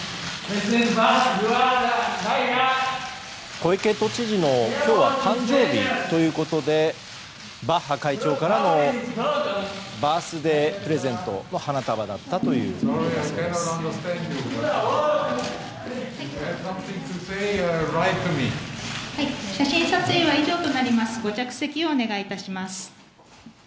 小池都知事の今日は誕生日ということでバッハ会長からバースデープレゼントの花束だったということです。